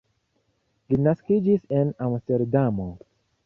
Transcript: Ŝi naskiĝis en Amsterdamo.